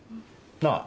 なあ。